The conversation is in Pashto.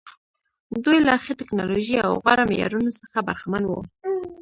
دوی له ښې ټکنالوژۍ او غوره معیارونو څخه برخمن وو.